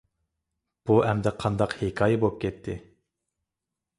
بۇ ئەمدى قانداق ھېكايە بولۇپ كەتتى؟